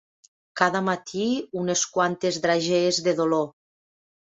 Cada matí unes quantes dragees de dolor.